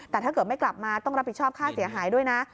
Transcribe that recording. แต่ถ้าเกิดไม่กลับมาต้องรับผิดชอบค่าเสียหายด้วยนะ